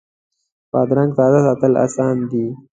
بادرنګ تازه ساتل اسانه دي.